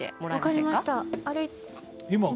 分かりました。